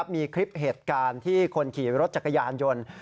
มีคลิปเหตุการณ์ที่คนขี่รถจักรยานยนต์